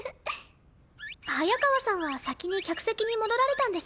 早川さんは先に客席に戻られたんですね。